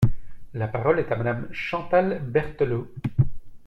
La parole est à Madame Chantal Berthelot.